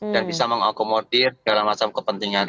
dan bisa mengakomodir dalam macam kepentingan